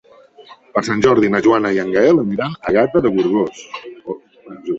Per Sant Jordi na Joana i en Gaël aniran a Gata de Gorgos.